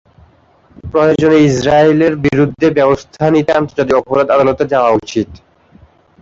প্রয়োজনে ইসরাইলে বিরুদ্ধে ব্যবস্থা নিতে আন্তর্জাতিক অপরাধ আদালতে যাওয়া উচিৎ।